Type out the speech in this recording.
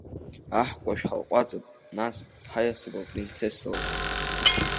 Аҳкәажә ҳалҟәаҵып, нас, ҳаиасып апринцесса лахь.